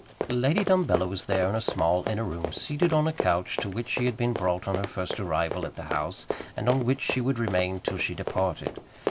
Lady Dumbello was there in a small inner room, seated on a couch to which she had been brought on her first arrival at the house, and on which she would remain till she departed.